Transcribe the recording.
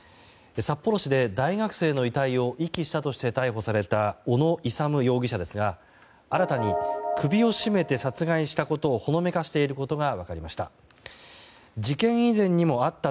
札幌市で大学生の遺体を遺棄したとして逮捕された小野勇容疑者ですが新たに首を絞めて殺害したことをほのめかしていることが分かりました。